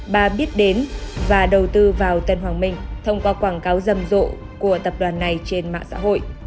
bà biết đến và đầu tư vào tân hoàng minh thông qua quảng cáo rầm rộ của tập đoàn này trên mạng xã hội